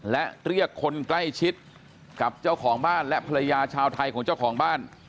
และเรียกคนใกล้ชิดกับเจ้าของบ้านและภรรยาชาวไทยของเจ้าของบ้าน